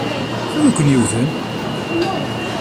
Anwi i ken-yewwten?